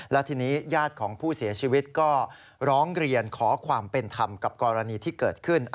และทีนี้ญาติของผู้เสียชีวิตก็ร้องเรียนขอความเป็นธรรมกับกรณีที่เกิดขึ้น